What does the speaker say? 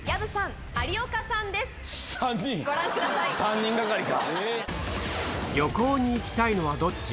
３人がかりか。